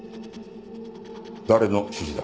誰の指示だ？